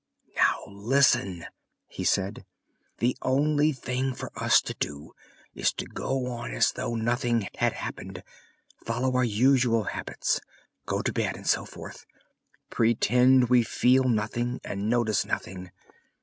"Now listen," he said. "The only thing for us to do is to go on as though nothing had happened, follow our usual habits, go to bed, and so forth; pretend we feel nothing and notice nothing.